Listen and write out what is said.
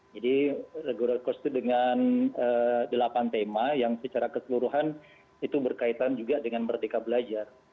jadi regular course itu dengan delapan tema yang secara keseluruhan itu berkaitan juga dengan merdeka belajar